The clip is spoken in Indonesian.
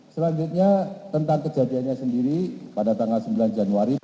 selanjutnya tentang kejadiannya sendiri pada tanggal sembilan januari